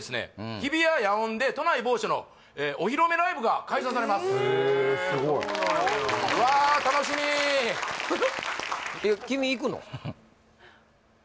日比谷野音で都内某所のお披露目ライブが開催されますへえそうなんやわー楽しみー君行くの？